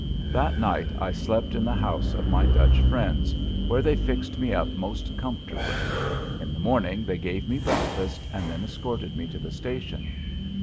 That night I slept in the house of my Dutch friends, where they fixed me up most comfortably. In the morning they gave me breakfast and then escorted me to the station.